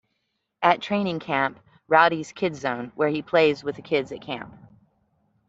At Training Camp, Rowdy's Kid Zone, where he plays with the kids at camp.